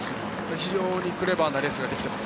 非常にクレバーなレースができています。